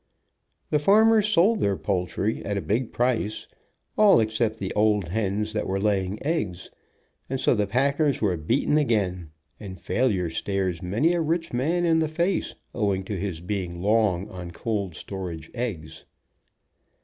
The farmers sold their poultry at a big price, all except the old hens that were laying eggs, and so the packers were beaten again, ,and failure stares many a rich man in the face, owing to his being long on cold storage eggs.